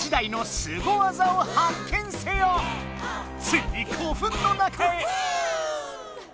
ついに古墳の中へ！